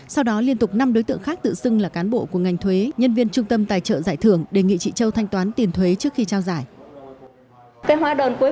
sau đó liên tục năm đối tượng khác tự xưng là cán bộ của ngành thuế nhân viên trung tâm tài trợ giải thưởng đề nghị chị châu thanh toán tiền thuế trước khi trao giải